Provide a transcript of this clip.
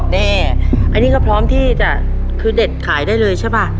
นี่อันนี้ก็พร้อมที่จะคือเด็ดขายได้เลยใช่ป่ะ